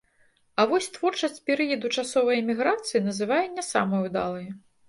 А вось творчасць перыяду часовай эміграцыі называе не самай удалай.